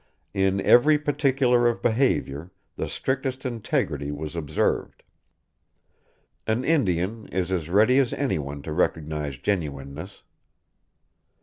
In every particular of behavior, the strictest integrity was observed. An Indian is as ready as any one to recognize genuineness.